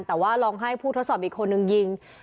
แต่ว่าลองให้ผู้ทดสอบอีกคนนึงยิง